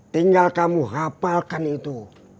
tinggal kamu hapalkan itu